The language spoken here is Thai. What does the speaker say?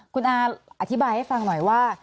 คุณอาอธิบายให้ฟังหน่อยว่า